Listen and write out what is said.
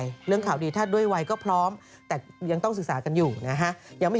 อยากให้คุณเห็นเวริสตอนนี้จังเลย